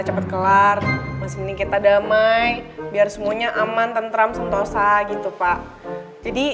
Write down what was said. kita pulang dengan tenang juga